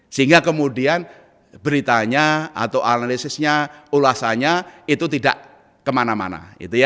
sehingga kemudian beritanya atau analisisnya ulasannya itu tidak kemana mana